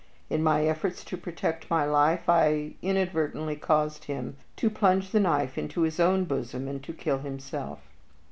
In my efforts to protect my life I inadvertently caused him to plunge the knife into his own bosom and to kill himself."